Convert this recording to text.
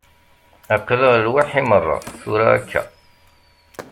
Aql-aɣ lwaḥi merra, tura akka.